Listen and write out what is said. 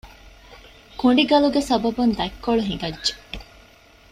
ކުނޑިގަލުގެ ސަބަބުން ދަތްކޮޅު ހިނގައްޖެ